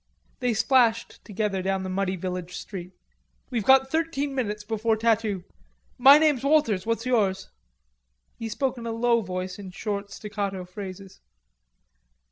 They splashed together down the muddy village street. "We've got thirteen minutes before tattoo.... My name's Walters, what's yours?" He spoke in a low voice in short staccato phrases.